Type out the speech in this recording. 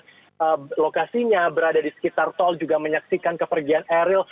kemudian lokasinya berada di sekitar tol juga menyaksikan kepergian eril